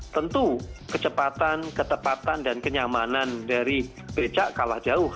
tentu kecepatan ketepatan dan kenyamanan dari becak kalah jauh